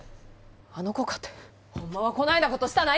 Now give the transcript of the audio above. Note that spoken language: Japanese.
あの子かてホンマはこないなことしたないんです！